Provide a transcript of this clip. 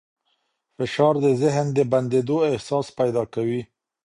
فشار د ذهن د بندېدو احساس پیدا کوي.